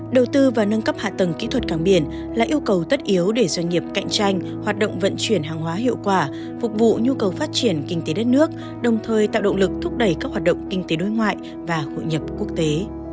đầu tư và nâng cấp hạ tầng kỹ thuật cảng biển là yêu cầu tất yếu để doanh nghiệp cạnh tranh hoạt động vận chuyển hàng hóa hiệu quả phục vụ nhu cầu phát triển kinh tế đất nước đồng thời tạo động lực thúc đẩy các hoạt động kinh tế đối ngoại và hội nhập quốc tế